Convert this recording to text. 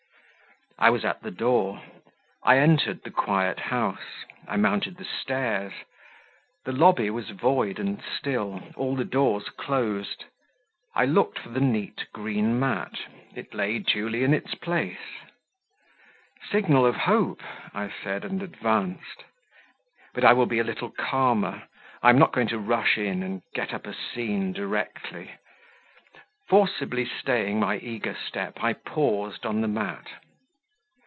I was at the door; I entered the quiet house; I mounted the stairs; the lobby was void and still, all the doors closed; I looked for the neat green mat; it lay duly in its place. "Signal of hope!" I said, and advanced. "But I will be a little calmer; I am not going to rush in, and get up a scene directly." Forcibly staying my eager step, I paused on the mat.